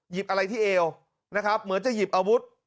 อะไรที่เอวนะครับเหมือนจะหยิบอาวุธ